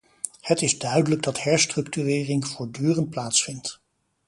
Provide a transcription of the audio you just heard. Het is duidelijk dat herstructurering voortdurend plaatsvindt.